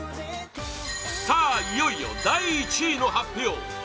さあ、いよいよ第１位の発表！